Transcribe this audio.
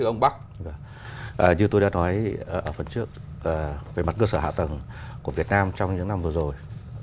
như tôi đã nói phần trước về mặt cơ sở hạ tầng của việt nam trong những năm vừa rồi